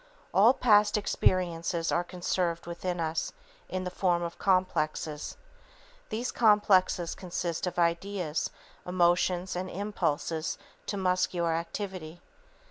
_All past experiences are conserved within us in the form of complexes. These complexes consist of ideas, emotions and impulses to muscular activity.